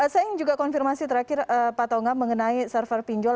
saya ingin juga konfirmasi terakhir pak tongam mengenai server pinjol